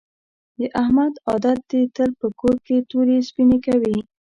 د احمد عادت دې تل په کور کې تورې سپینې کوي.